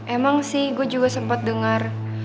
emang sih gue juga sempet denger